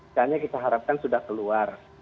misalnya kita harapkan sudah keluar